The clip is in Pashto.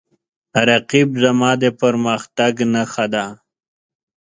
رقیب زما د پرمختګ نښه ده